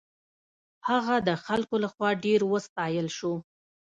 هغه د خلکو له خوا ډېر وستایل شو.